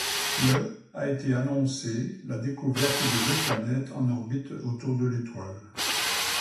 Le a été annoncée la découverte de deux planètes en orbite autour de l'étoile.